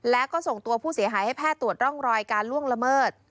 แล้วก็ส่งตัวผู้เสียหายให้แพทย์ตรวจร่องรอยการล่วงละเมิด